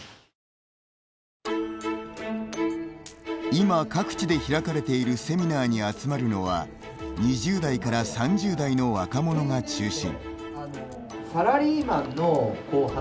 今、各地で開かれているセミナーに集まるのは２０代から３０代の若者が中心。